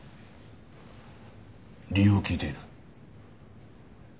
理由を聞いている。